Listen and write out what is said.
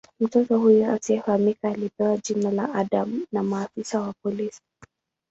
Mtoto huyu asiyefahamika alipewa jina la "Adam" na maafisa wa polisi.